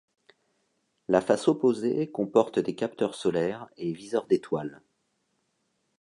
La face opposée comporte des capteurs solaires et viseurs d'étoiles.